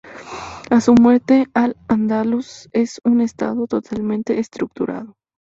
A su muerte, Al-Ándalus es un Estado totalmente estructurado.